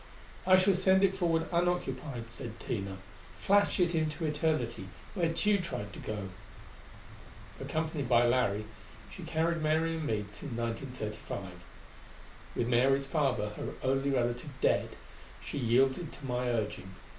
"I shall send it forward unoccupied," said Tina; "flash it into Eternity, where Tugh tried to go." Accompanied by Larry, she carried Mary and me to 1935. With Mary's father, her only relative, dead, she yielded to my urging.